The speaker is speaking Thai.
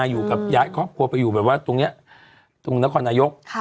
อยู่กับย้ายครอบครัวไปอยู่แบบว่าตรงนี้ตรงนครนายก